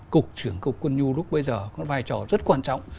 cục trưởng cục quân nhu lúc bây giờ có vai trò rất quan trọng